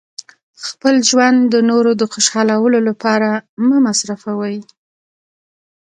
خپل ژوند د نورو د خوشحالولو لپاره مه مصرفوئ.